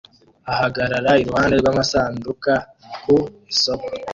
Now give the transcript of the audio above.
ahagarara iruhande rwamasanduka ku isoko